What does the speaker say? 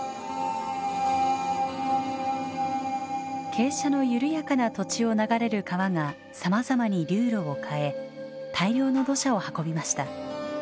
傾斜の緩やかな土地を流れる川がさまざまに流路を変え大量の土砂を運びました。